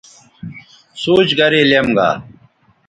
سوچ گرے لیم گا